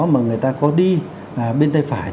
mà người ta có đi bên tay phải